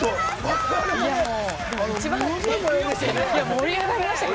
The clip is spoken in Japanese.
盛り上がりましたよ。